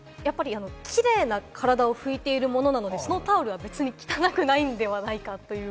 キレイな体を拭いているものなので、そのタオルは別に汚くないのではないかという。